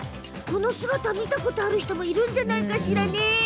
この姿、見たことある人もいるんじゃない？